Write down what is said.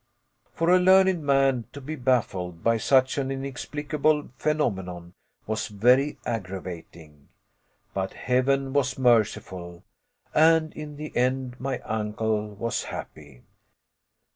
For a learned man to be baffled by such an inexplicable phenomenon was very aggravating. But Heaven was merciful, and in the end my uncle was happy.